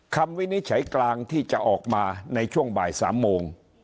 วินิจฉัยกลางที่จะออกมาในช่วงบ่าย๓โมง